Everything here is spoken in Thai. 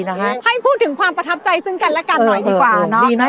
ให้พูดถึงความประทับใจซึ่งกันและกันหน่อยดีกว่าเนาะ